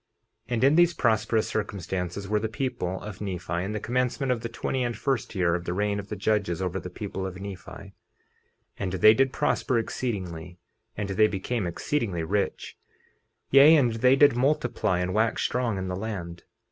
50:17 And in these prosperous circumstances were the people of Nephi in the commencement of the twenty and first year of the reign of the judges over the people of Nephi. 50:18 And they did prosper exceedingly, and they became exceedingly rich; yea, and they did multiply and wax strong in the land.